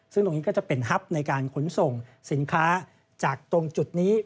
ซึ่งตรงนี้ก็จะเป็นฮับในการขนส่งสินค้าจากตรงจุดนี้